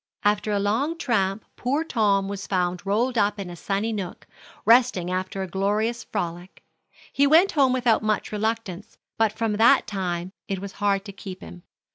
After a long tramp poor Tom was found rolled up in a sunny nook, resting after a glorious frolic. He went home without much reluctance, but from that time it was hard to keep him.